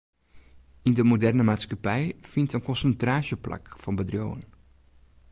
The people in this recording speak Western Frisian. Yn de moderne maatskippij fynt in konsintraasje plak fan bedriuwen.